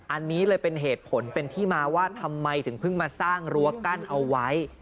อันนี้เลยเป็นเหตุผลเป็นที่มาว่าทำไมถึงเพิ่งมาสร้างรั้วกั้นเอาไว้